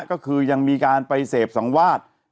ก็คือยังมีการไปเสพสังวาส